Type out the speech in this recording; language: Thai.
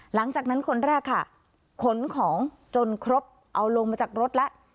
หลังจากนั้นคนแรกค่ะขนของจนครบเอาลงมาจากรถแล้ว